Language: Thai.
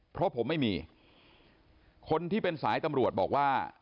เพราะผมไม่มีคนที่เป็นสายตำรวจบอกว่า